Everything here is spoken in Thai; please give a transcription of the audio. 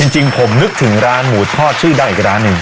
จริงผมนึกถึงร้านหมูทอดชื่อดังอีกร้านหนึ่ง